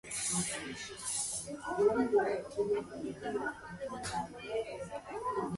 In JavaScript modules, how are livebindings different from typical variable or function references?